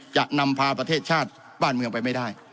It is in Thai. จะนำพาประเทศชาติบ้านเมืองไปไม่ได้